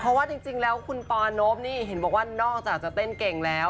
เพราะว่าจริงแล้วคุณปอนบนี่เห็นบอกว่านอกจากจะเต้นเก่งแล้ว